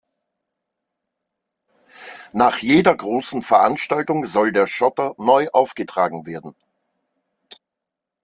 Nach jeder großen Veranstaltung soll der Schotter neu aufgetragen werden.